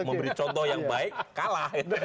mau beri contoh yang baik kalah